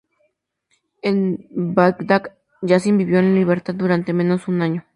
En Bagdad, Yasin vivió en libertad durante al menos un año.